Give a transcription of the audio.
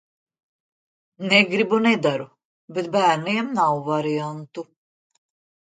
Negribu, nedaru. Bet bērniem nav variantu.